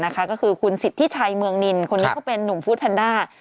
ก็คือคุณสิทธิชัยเมืองนินคนนี้เขาเป็นนุ่มฟู้ดแพนด้า